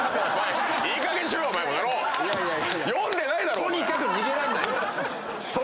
とにかく逃げられないんです。